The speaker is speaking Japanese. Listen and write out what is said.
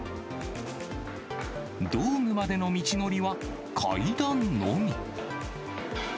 ドームまでの道のりは、階段のみ。